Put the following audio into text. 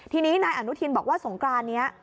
ทีนี้นายอนุทินบอกว่าสงกรานนี้